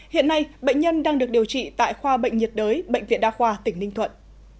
hiện nay bệnh nhân đang được điều trị tại khoa bệnh nhiệt đới bệnh viện đa khoa tỉnh ninh thuận